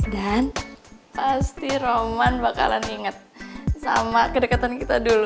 dan pasti roman bakalan inget sama kedekatan kita dulu